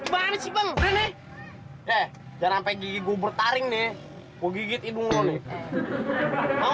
nih banget sih bang rene eh jangan pergi gobertaring nih gua gigit hidung lo nih